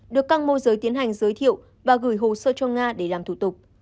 được các môi giới tiến hành giới thiệu và gửi hồ sơ cho nga để làm thủ tục